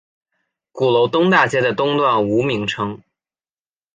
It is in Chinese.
鼓楼东大街的东段无名称。